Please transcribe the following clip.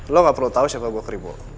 lo gak perlu tau siapa gue keribo